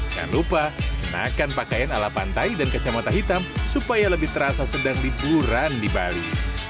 jangan lupa kenakan pakaian ala pantai dan kacamata hitam supaya lebih terasa sedang liburan di bali